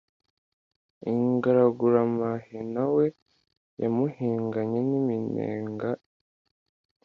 Ingaraguramahina we yamuhinganye nk'iminega